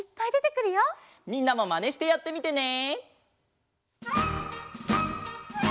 みんなもマネしてやってみてね！